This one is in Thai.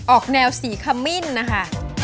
ออกแนวสีขมิ้นนะคะ